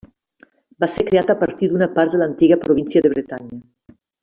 Va ser creat a partir d'una part de l'antiga província de Bretanya.